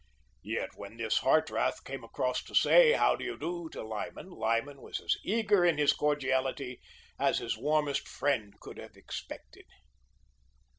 Yet, when this Hartrath came across to say "How do you do" to Lyman, Lyman was as eager in his cordiality as his warmest friend could have expected.